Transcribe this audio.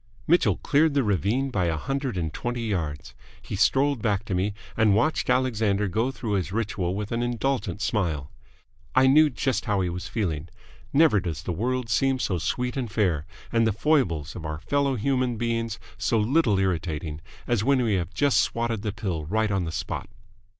Mitchell cleared the ravine by a hundred and twenty yards. He strolled back to me, and watched Alexander go through his ritual with an indulgent smile. I knew just how he was feeling. Never does the world seem so sweet and fair and the foibles of our fellow human beings so little irritating as when we have just swatted the pill right on the spot.